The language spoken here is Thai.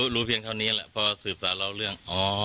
รู้เพียงเท่านี้แหละเพราะศึกษาเล่าเรื่อง